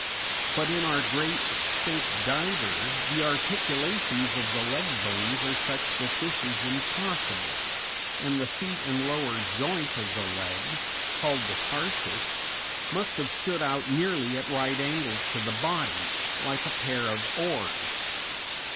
But in our great extinct diver the articulations of the leg bones are such that this is impossible, and the feet and lower joint of the legs (called the tarsus) must have stood out nearly at right angles to the body, like a pair of oars.